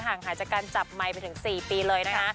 ห่างหายจากการจับไมค์ไปถึง๔ปีเลยนะคะ